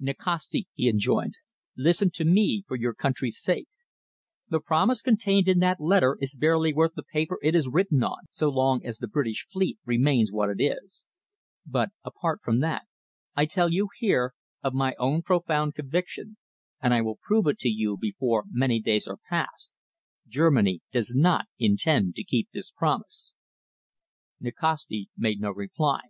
"Nikasti," he enjoined, "listen to me, for your country's sake. The promise contained in that letter is barely worth the paper it is written on, so long as the British fleet remains what it is. But, apart from that, I tell you here, of my own profound conviction and I will prove it to you before many days are past Germany does not intend to keep this promise." Nikasti made no reply.